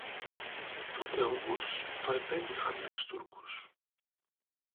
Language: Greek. Τότε όμως το επέτυχαν με τους Τούρκους